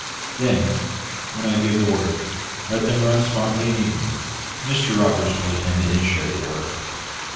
"Then, when I give the word, let them run smartly and evenly. Mr Roberts will attend to his share of the work.